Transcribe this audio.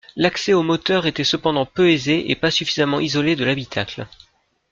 L'accès au moteur était cependant peu aisé et pas suffisamment isolé de l'habitacle.